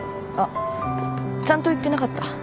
あっちゃんと言ってなかった。